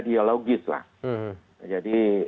dialogis lah jadi